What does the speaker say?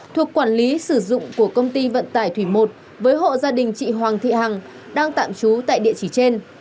thuộc quản lý sử dụng của công ty vận tải thủy một với hộ gia đình chị hoàng thị hằng đang tạm trú tại địa chỉ trên